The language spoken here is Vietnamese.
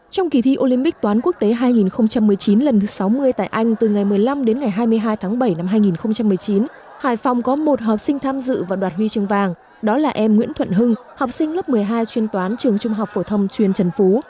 trong kỳ thi olympic toán quốc tế hai nghìn một mươi chín lần thứ sáu mươi tại anh từ ngày một mươi năm đến ngày hai mươi hai tháng bảy năm hai nghìn một mươi chín hải phòng có một học sinh tham dự vào đoạt huy chương vàng đó là em nguyễn thuận hưng học sinh lớp một mươi hai chuyên toán trường trung học phổ thông chuyên trần phú